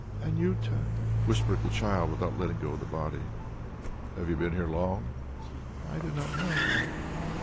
"Anjuta," whispered the child without letting go of the body. "Have you been here long?" "I do not know.